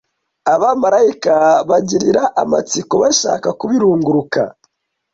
abamarayika bagirira amatsiko bashaka kubirunguruka